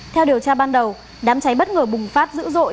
theo điều tra ban đầu đám cháy bất ngờ bùng phát dữ dội